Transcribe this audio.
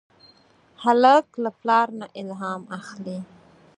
هلک له پلار نه الهام اخلي.